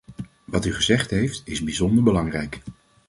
Wat u gezegd heeft, is bijzonder belangrijk.